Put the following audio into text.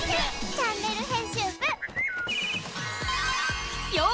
チャンネル編集部へ！